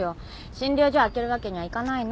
診療所空けるわけにはいかないの。